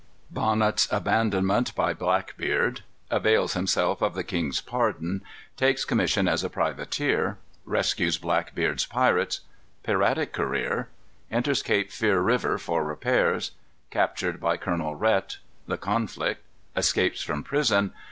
_ Bonnet's Abandonment by Blackbeard. Avails Himself of the King's Pardon. Takes Commission as a Privateer. Rescues Blackbeard's Pirates. Piratic Career. Enters Cape Fear River for Repairs. Captured by Colonel Rhet. The Conflict. Escapes from Prison.